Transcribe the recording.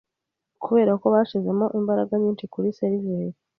kubera ko bashizemo imbaraga nyinshi kuri seriveri